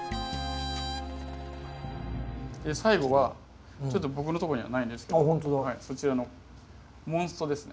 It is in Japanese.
最後はちょっと僕のとこにはないんですけどそちらのモンストですね。